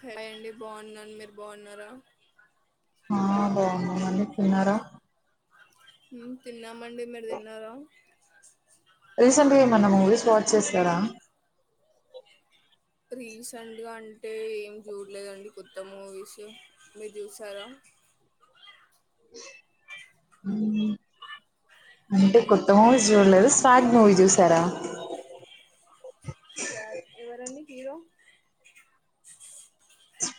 హే అండి బాగున్నాను మీరు బాగున్నారా ఆ బాగున్నా మని తిన్నారా తిన్నామండి మీరు తిన్నారా రీసెంట్గా ఏమన్నా మూవీస్ వాచ్ చేస్తారా రీసెంట్గా అంటే ఏం చూడలేదండి కొత్త మూవీస్ మీరు చూసారా అ అంటే కొత్తమూ జూలే స్వగ్ నువ్వు చూసారా బ ఎవరండి హీరో స్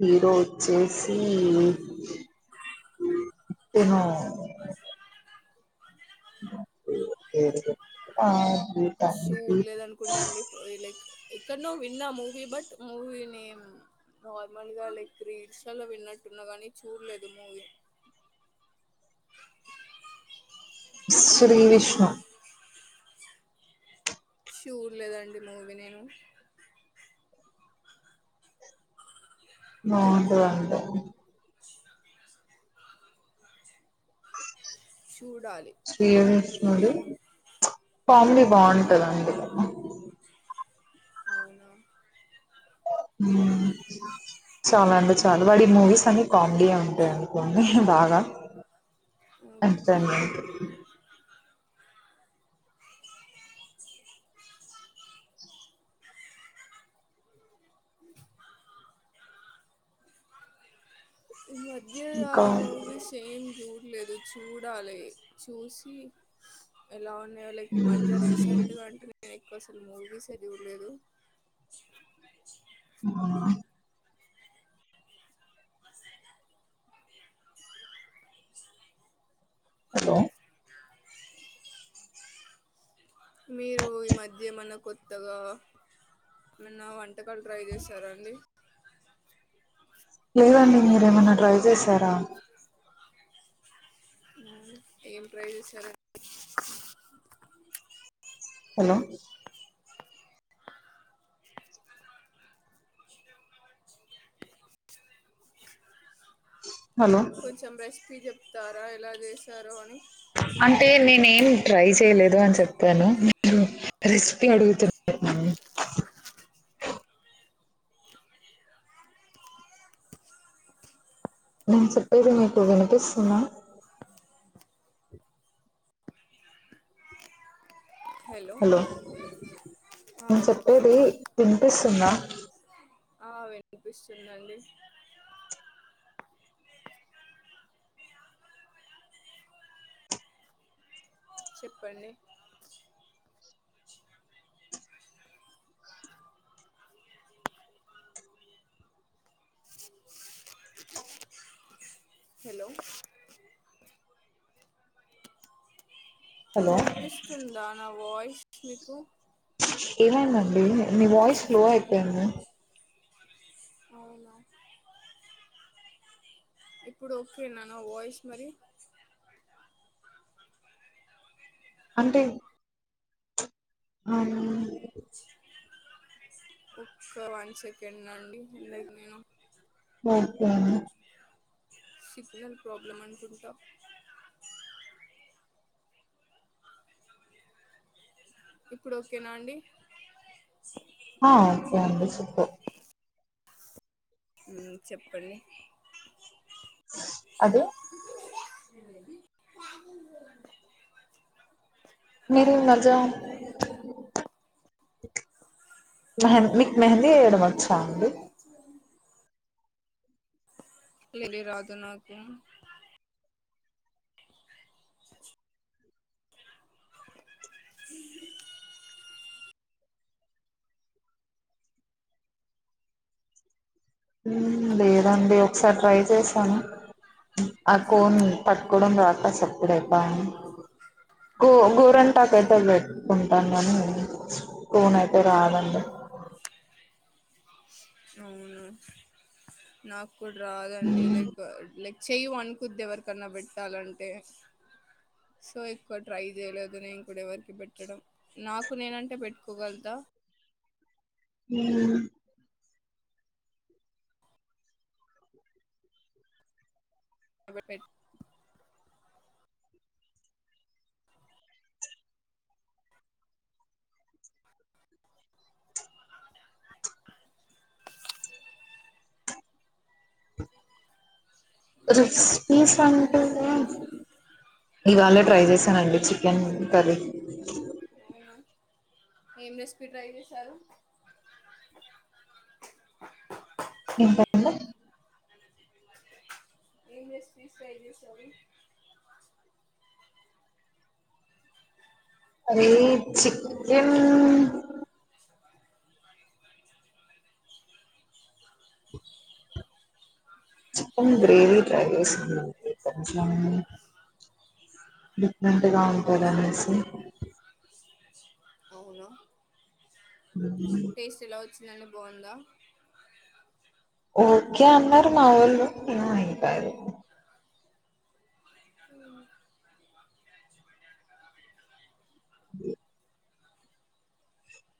హీరో వచ్చే సీన్ తిను ఆ షూ గీతాంజలి లేద అనుకుంటా అండి లైక్ ఎక్కడ్నో విన్నా movie but movie name normal గా లైక్ రీల్షలో విన్నట్టున్నా కాగానీ చూడలేదు మూవీ [unintelligible] శ్రీ విష్ణు షూర్ లేదండి మూవీ నేను బాగుంటదంట చూడాలి ఫ్యామిలీ బాగుంటదండి అవునా ఉ చాలా అండి చాలు వాడి మూవీస్ అని కామెడీ ఉంటాయి అనుకోండి బాగా అ ఏంటండీ ఈ మధ్య ఆ ఇంకా మూవీ సేమ్ చూడ లేదు చూడాలి చూసి ఎలా ఉందొ వాళ్ళకి మధ్య రీసెంట్గా అంట నేను అసలు మూవీసేచూడలేదు ఆ హలో మీరు ఈ మధ్య ఎమన్నా కొత్తగా ఏమన్నా వంటకాలు ట్రై చేశారా అండి లేదండి మీరేమన్నా ట్రై చేసారా ఏం ట్రై చేశారండి హలో హలో కొంచెం రెసిపీ చెప్తారా ఎలా చేసారో అని అంటే నేనేం ట్రై చేయలేదు అని చెప్పాను మీరు రెసిపీ అడుగుతున్నారు నేను చెప్పేది మీకు వినిపిస్తుందా హలో ఆ, నేను చెప్పేది చెప్పండి వినిపిస్తుందా ఆ వినిపిస్తుందండి చెప్పండి హలో హలో వినిపిస్తుందా నా వాయిస్ మీకు ఏమైందండి మీ వాయిస్ స్లో అయిపోయింది అవునా ఇప్పుడు ఓకేనా నా వాయిస్ మరి అంటే ఆ ఒక వన్ సెకండ్ అండి ఇందాక నేను ఓకేనా సిగ్నల్ ప్రాబ్లమ్ అంటుంటావు ఇప్పుడు ఓకేనా అండి ఓకే అండి చెప్పు చెప్పండి అది మీరు మజా మీకు మెహందీ ఏయడం వచ్చా అండి లే రాదు నాకు లేదండి ఒకసారి ట్రై చేసాను ఆ కోన్ పట్టుకోవడం రాదు అసలు ఎప్పుడు వేయలేదు గో గోరింటాకు అయితే పెట్టుకుంటాను కాని కోన్ అయితే రాదండి అవునా నాకు కూడ రాదండి లైక్ లైక్ చెయ్యి వనుకుద్ది ఎవరికన్న పెట్టాలంటే సో ఎక్కువ ట్రై చేయలేదు నేను ఇప్పుడెవరికి పెట్టడం నాకు నేనంటే పెట్టుకోగలుగుతా హ పెట్ రెస్ట్ [unintelligible] హలో అంటేనే ఇవాళే ట్రై చేశానండి చికెన్ కర్రీ ఏం రెసిపీ ట్రై చేసారు [unintelligible] ఏం రెసిపీస్ ట్రై చేశారు అది చికెన్ చికెన్ గ్రేవి ట్రై చేసానండి డిఫరెంట్గా ఉంటదనేసి అవునా ఉమ్ ఇలానే బాగుందా ఓకే అన్నరు మావోళ్ళు ఏమో ఇంక అది ఆహా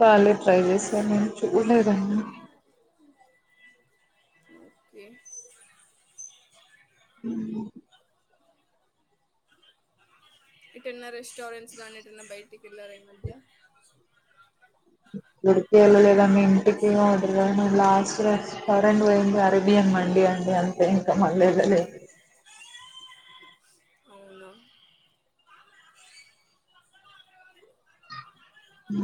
వాళ్ళే ట్రై చేసారు నేను చూడలేదండి ఓకే ఉ ఎటన్న రెస్టారెంట్స్ గానీ ఎటన్న బయటికెళ్లారా ఈ మధ్య ఎక్కడికి వెళ్ళలేదండి ఇంటి దగ్గరే ఉంటున్నాను లాస్ట్ రెస్టారెంట్ పోయింది అరేబియన్ మండి అండి అంతే ఇంకా మళ్ళీ వెళ్లలేదు అవునా ఉ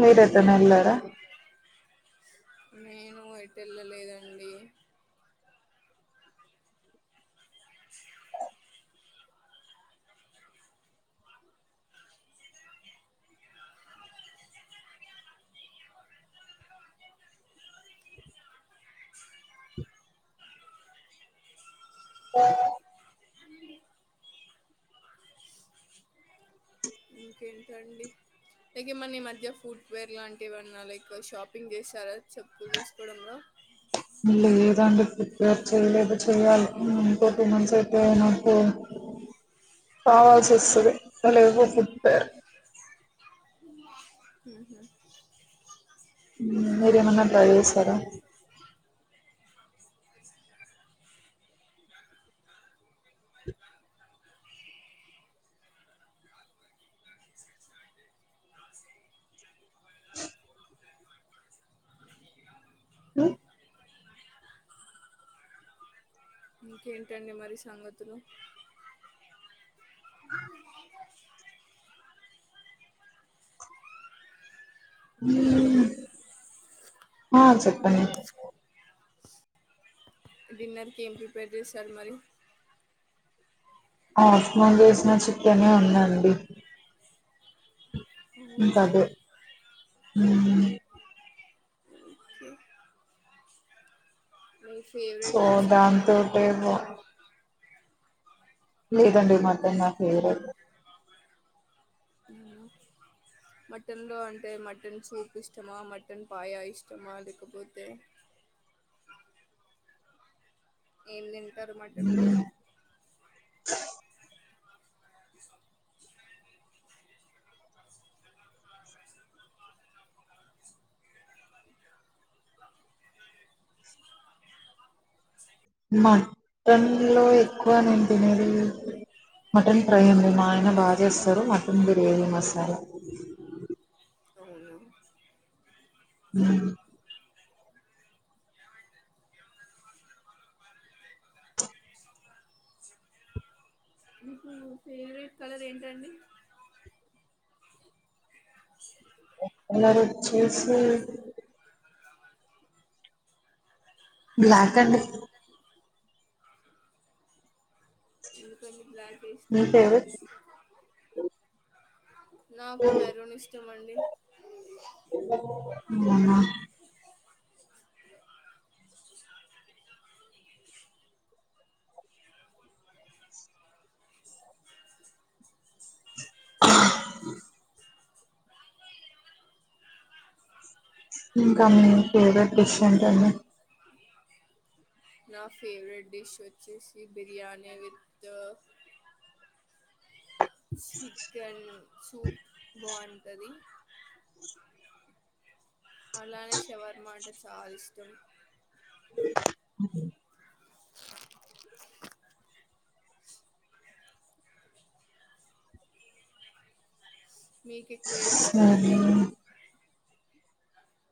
మీరెటయినా ఎళ్ళారా నేను ఎటెళ్ళలేదండి ఆ ఇంకేంటండి లైక్ ఏమన్న ఈ మధ్య ఫుట్ వేర్ లాంటి ఏవన్నా లైక్ షాపింగ్ చేసారా చెప్పలు చూసుకోవడంలో లేదండి ఫుట్ వేర్ చేయలేదు చెయాలి ఇంకో టూ మంత్స్ అయితే నాకు ఆ చేస్తది లేవు ఫుట్ వేర్ ఉహు మీరేమన్న ట్రై చేసారా అ ఇంకేంటండి మరి సంగతులు హలో ఆ చెప్పండి డిన్నర్కి ఏం ప్రిపేర్ చేశారు మరి ఆఫ్టర్నూన్ చేసిన చికనే ఉందండి అవునా ఉ ఓకే మీ సో ఫేవరెట్ చికెనేనా దాంతోటే అండి లేదండి మత్త నా ఫేవరెట్ ఈ మటన్లో అంటే మటన్ సూప్ ఇష్టమా మటన్ పాయా ఇష్టమా లేకపోతే ఏం తింటారు మటన్లో మటన్ లో ఎక్కువ నేన్ తినేది మటన్ ఫ్రై అండి మా ఆయన బాగా చేస్తరు మటన్ బిర్యానీ మసాల అవును హ మీ ఫేవరెట్ కలర్ ఏంటండి కలర్ వచ్చేసి బ్లాక్ అండి ఎందుకండి బ్లాక్ మీ ఇష్టం ఫేవరెట్ నాకు మెరూన్ ఇష్టం అండి అవునా ఇంకా మీ ఫేవరెట్ డిష్ ఏంటండీ నా ఫేవరెట్ డిష్ వచ్చేసి బిర్యానీ విత్ చికెన్ సూప్ బాగుంటది అలానే శషవర్మాంట చాలా ఇష్టం మీకు ఎక్కువ ఏది సరే, ఇష్టామండి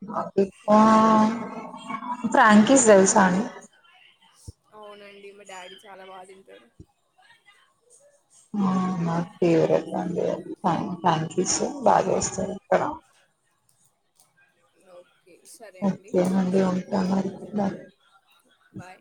నాకు ఎక్కువ ఫ్రాంకీస్ తెలుసా అండి అవునండి మా డాడీ చాలా బాగా తింటడు నా ఫేవరెట్ అండి అది ఫ్రాన్కిష్ బాగా చేస్తరా ఇక్కడ [inaudible] ఓ ఒకే అండి ఉంటా మరి బాయ్ బాయ్